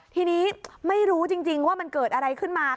ทีนี้ไม่รู้จริงว่ามันเกิดอะไรขึ้นมา